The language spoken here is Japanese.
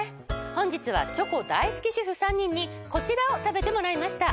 本日はチョコ大好き主婦３人にこちらを食べてもらいました。